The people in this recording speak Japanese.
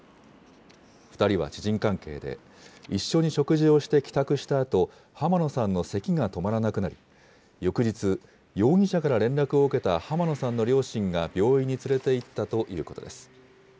２人は知人関係で、一緒に食事をして帰宅したあと、濱野さんのせきが止まらなくなり、翌日、容疑者から連絡を受けた濱野さんの両親が病院に連れて行ったということです。